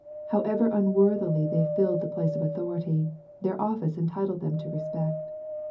. However unworthily they filled the place of authority, their office entitled them to respect.